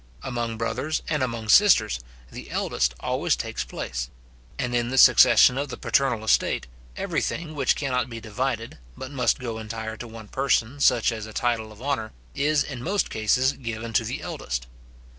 Among brothers and among sisters, the eldest always takes place; and in the succession of the paternal estate, every thing which cannot be divided, but must go entire to one person, such as a title of honour, is in most cases given to the eldest.